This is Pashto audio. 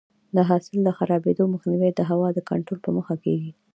د حاصل د خرابېدو مخنیوی د هوا د کنټرول په مرسته کېږي.